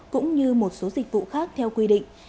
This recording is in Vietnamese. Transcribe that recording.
cũng như một số dịch vụ khác theo quy định